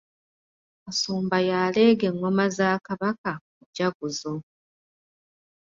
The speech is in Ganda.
Kasumba y'aleega engoma za Kabaka, mujaguzo.